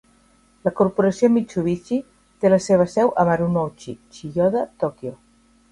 La corporació Mitsubishi té la seva seu a Marunouchi, Chiyoda, Tòquio.